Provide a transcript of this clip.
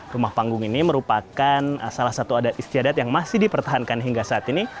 rumah panggung ini merupakan salah satu adat istiadat yang masih dipertahankan hingga saat ini